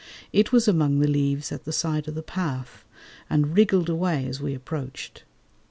It was among the leaves at the side of the path, and wriggled away as we approached.